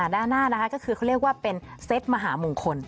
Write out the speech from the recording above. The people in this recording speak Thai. หน้านะคะก็คือเขาเรียกว่าเป็นเซตมหามงคล